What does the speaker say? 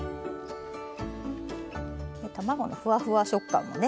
卵のふわふわ食感もね